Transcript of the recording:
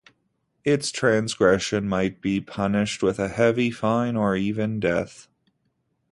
Its transgression might be punished with a heavy fine or even death.